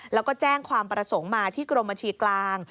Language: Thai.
แล้วก็แจ้งความประสงค์มาที่กรมบัญชีกลาง